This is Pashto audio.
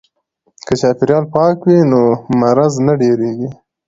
که چاپیریال پاک وي نو مرض نه ډیریږي.